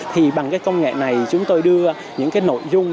thì bằng công nghệ này chúng tôi đưa những nội dung